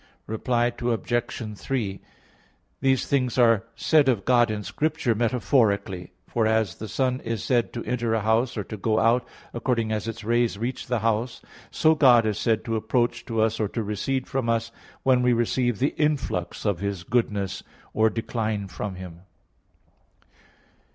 Reply Obj. 3: These things are said of God in Scripture metaphorically. For as the sun is said to enter a house, or to go out, according as its rays reach the house, so God is said to approach to us, or to recede from us, when we receive the influx of His goodness, or decline from Him.